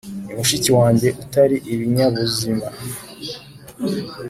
ni mushiki wanjye utari ibinyabuzima.